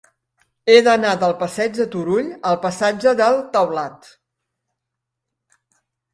He d'anar del passeig de Turull al passatge del Taulat.